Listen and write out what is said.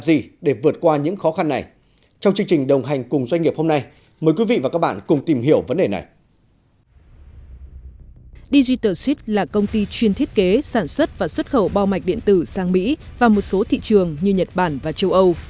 xin chào quý vị và các bạn cùng tìm hiểu vấn đề này